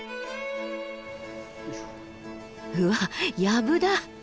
うわやぶだ。